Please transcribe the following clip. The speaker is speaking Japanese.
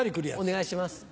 お願いします。